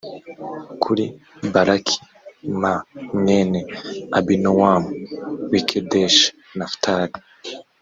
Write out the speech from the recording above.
kuri baraki m mwene abinowamu w i kedeshi nafutali